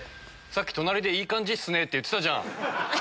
さっき隣で「いい感じっすね！」って言ってたじゃん。